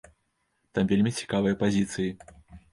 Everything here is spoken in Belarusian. Там вельмі цікавыя пазіцыі.